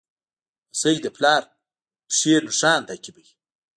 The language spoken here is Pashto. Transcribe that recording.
لمسی د پلار پښې نښان تعقیبوي.